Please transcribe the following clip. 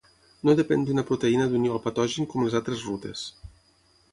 No depèn d'una proteïna d'unió al patogen com les altres rutes.